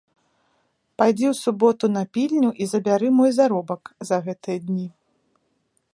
Пайдзі ў суботу на пільню і забяры мой заробак за гэтыя дні.